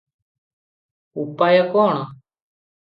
ଉପାୟ କଣ?